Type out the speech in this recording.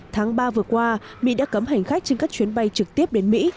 tháng ba vừa qua mỹ đã cấm hành khách trên các chuyến bay trực tiếp đến mỹ